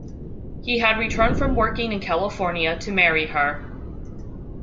He had returned from working in California to marry her.